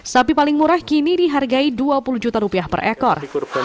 sapi paling murah kini dihargai dua puluh juta rupiah per ekor